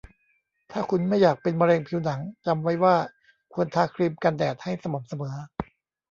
ถ้าคุณไม่อยากเป็นมะเร็งผิวหนัง จำไว้ว่าควรทาครีมกันแดดให้สม่ำเสมอ